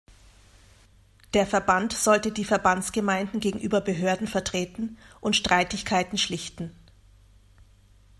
Der Verband sollte die Verbandsgemeinden gegenüber Behörden vertreten und Streitigkeiten schlichten.